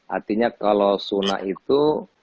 artinya kalau sunnah itu